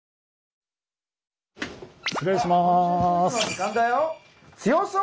失礼します。